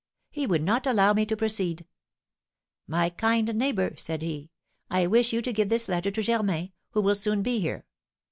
He would not allow me to proceed. 'My kind neighbour,' said he, 'I wish you to give this letter to Germain, who will soon be here.